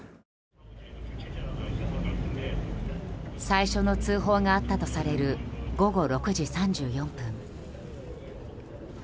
最初の通報があったとされる午後６時３４分。